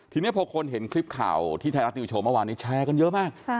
ทีนี้พอคนเห็นคลิปข่าวที่ไทยรัฐนิวโชว์เมื่อวานนี้แชร์กันเยอะมาก